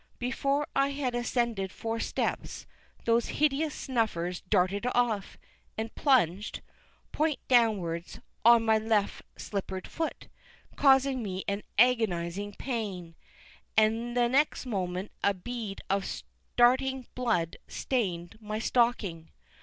Before I had ascended four steps, those hideous snuffers darted off, and plunged, point downwards, on to my left slippered foot, causing me an agonising pang, and the next moment a bead of starting blood stained my stocking.